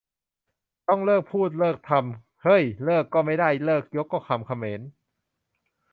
ต้องเลิกพูดเลิกทำ เฮ้ย เลิกก็ไม่ได้ 'เลิก' ยก ก็คำเขมร !